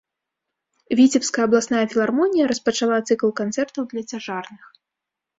Віцебская абласная філармонія распачала цыкл канцэртаў для цяжарных.